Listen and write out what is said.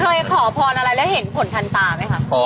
เคยขอพรอะไรแล้วเห็นผลคนตาม่ะครับ